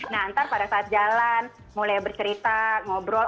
nah nanti pada saat jalan mulai bercerita ngobrol